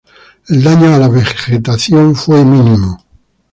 El daño a la vegetación fue mínimo.